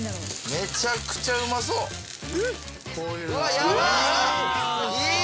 めちゃくちゃうまい。